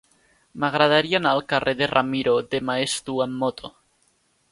M'agradaria anar al carrer de Ramiro de Maeztu amb moto.